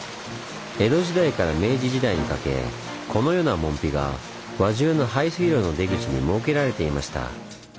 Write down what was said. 江戸時代から明治時代にかけこのような門が輪中の排水路の出口に設けられていました。